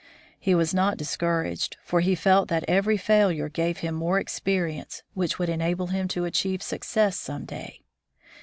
He was not dis couraged, for he felt that every failure gave him more experience, which would enable him to achieve success some day.